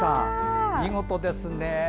見事ですね。